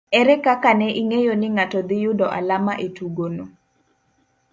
Ere kaka ne ing'eyo ni ng'ato dhi yudo alama e tugono